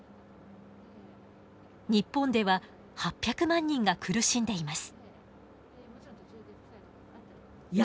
日本では８００万人が苦しんでいます。